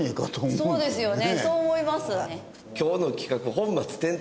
そうですね。